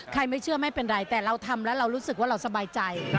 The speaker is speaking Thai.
ไม่เชื่อไม่เป็นไรแต่เราทำแล้วเรารู้สึกว่าเราสบายใจ